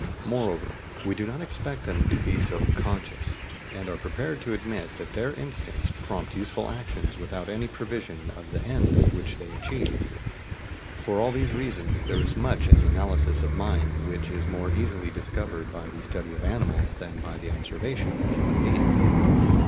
Moreover, we do not expect them to be so "conscious," and are prepared to admit that their instincts prompt useful actions without any prevision of the ends which they achieve. For all these reasons, there is much in the analysis of mind which is more easily discovered by the study of animals than by the observation of human beings.